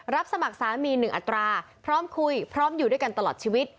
สมัครสามี๑อัตราพร้อมคุยพร้อมอยู่ด้วยกันตลอดชีวิต